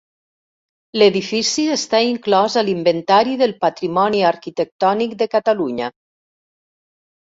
L'edifici està inclòs a l'Inventari del Patrimoni Arquitectònic de Catalunya.